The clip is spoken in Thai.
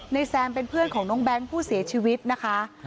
แซมเป็นเพื่อนของน้องแบงค์ผู้เสียชีวิตนะคะ